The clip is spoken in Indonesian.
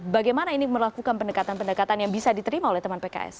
bagaimana ini melakukan pendekatan pendekatan yang bisa diterima oleh teman pks